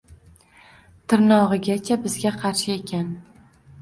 Tirnog‘igacha bizga qarshi ekan.